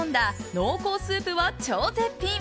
濃厚スープは超絶品！